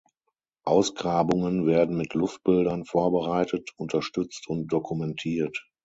Ausgrabungen werden mit Luftbildern vorbereitet, unterstützt und dokumentiert.